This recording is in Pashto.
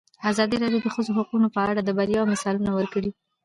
ازادي راډیو د د ښځو حقونه په اړه د بریاوو مثالونه ورکړي.